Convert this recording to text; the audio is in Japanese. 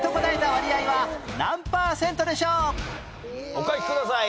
お書きください。